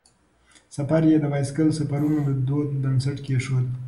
سفر یې د بایسکل سفرونو د دود بنسټ کیښود.